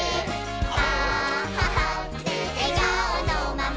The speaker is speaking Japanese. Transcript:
あははってえがおのまま」